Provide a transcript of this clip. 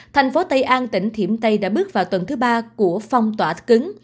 thành phố tây an tỉnh thiểm tây đã bước vào tuần thứ ba của phong tỏa cứng